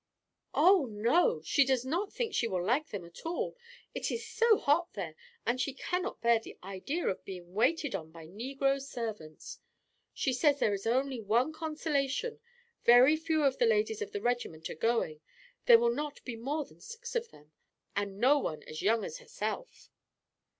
"Oh, no, she does not think she will like them at all; it is so hot there, and she cannot bear the idea of being waited on by negro servants. She says there is only one consolation, very few of the ladies of the regiment are going; there will not be more than six of them, and no one as young as herself."